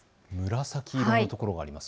紫色の所があります。